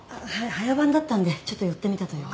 早番だったのでちょっと寄ってみたというか。